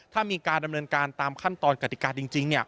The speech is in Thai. ถ้ามีการดำเนินการตามขั้นตอนกติกาจริง